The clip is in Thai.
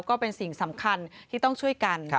ก็เป็นสิ่งสำคัญที่ต้องช่วยกัน